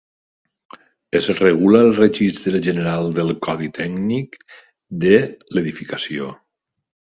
Es regula el Registre General del Codi Tècnic de l'Edificació.